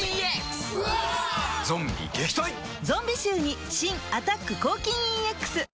ゾンビ臭に新「アタック抗菌ＥＸ」